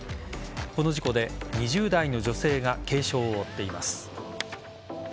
この事故で２０代の女性が軽傷を負っています。